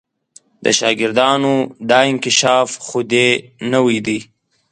د شاګردانو دا انکشاف خو دې نوی دی.